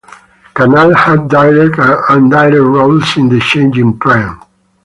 Khanal had direct and indirect roles in the changing trend.